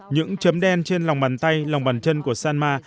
những chấm đen trên lòng bàn tay lòng bàn chân của sanma